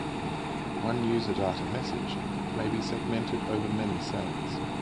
One user data message may be segmented over many cells.